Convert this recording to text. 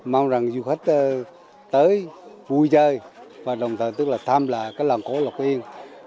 mong rằng du khách tới vui chơi và đồng thời tức là tham lạc cái làng cổ lộc yên